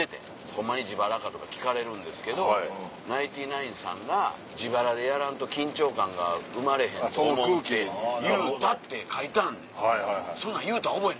「『ホンマに自腹か？』とか聞かれるんですけどナインティナインさんが『自腹でやらんと緊張感が生まれへんと思う』って言うた」って書いてあんねん。